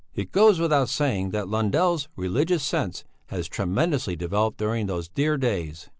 It goes without saying that Lundell's religious sense has tremendously developed during those "dear" days.